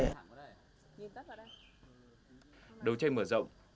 đầu trê mở rộng cháu và duy xuống vĩnh phúc để cướp xe